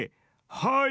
「はい。